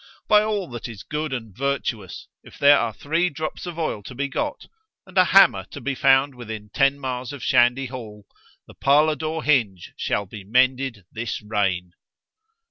By all that is good and virtuous, if there are three drops of oil to be got, and a hammer to be found within ten miles of Shandy Hall——the parlour door hinge shall be mended this reign.